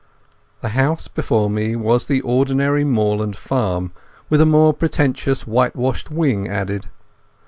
The house before me was the ordinary moorland farm, with a more pretentious whitewashed wing added.